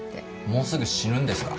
もうすぐ死ぬんですか？